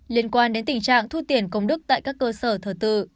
liên quan đến tình trạng thu tiền công đức tại các cơ sở thờ tự